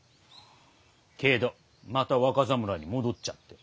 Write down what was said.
けどまた若侍に戻っちゃって。